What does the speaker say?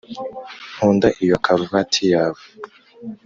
nkunda iyo karuvati yawe.